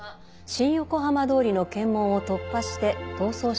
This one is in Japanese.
新横浜通りの検問を突破して逃走したことが分かりました。